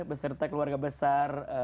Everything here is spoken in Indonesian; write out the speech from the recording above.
beserta keluarga besar